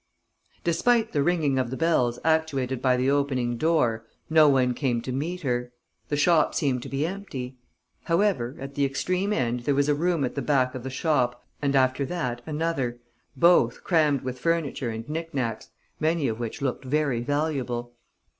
Despite the ringing of the bells actuated by the opening door, no one came to meet her. The shop seemed to be empty. However, at the extreme end there was a room at the back of the shop and after that another, both crammed with furniture and knick knacks, many of which looked very valuable.